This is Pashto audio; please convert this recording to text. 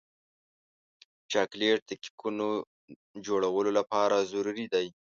چاکلېټ د کیکونو جوړولو لپاره ضروري دی.